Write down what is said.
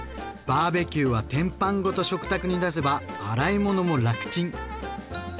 バーベキューは天板ごと食卓に出せば洗い物も楽ちん！